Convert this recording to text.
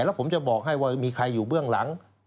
แล้วผมจะบอกให้ว่ามีใครอยู่เบื้องหลัง